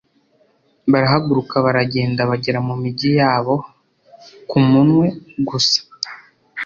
barahaguruka baragenda bagera mu migi yabo ku munwe gusa.